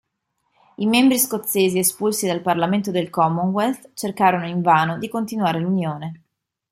I membri scozzesi espulsi dal Parlamento del Commonwealth cercarono invano di continuare l'unione.